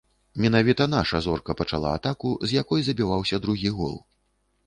Менавіта наша зорка пачала атаку, з якой забіваўся другі гол.